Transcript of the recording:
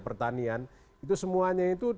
pertanian itu semuanya itu